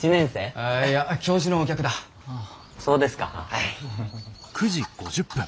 はい。